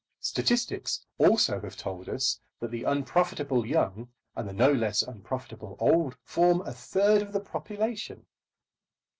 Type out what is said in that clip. Statistics also have told us that the unprofitable young and the no less unprofitable old form a third of the population.